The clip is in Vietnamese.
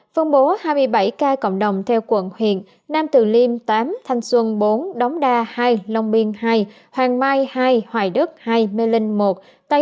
phân bố hai mươi bảy ca cộng đồng theo quận huyện nam từ liêm tám thanh xuân bốn đống đa hai long biên hai hoàng mai hai hoài đức hai mê linh một tây hồ một cậu giấy một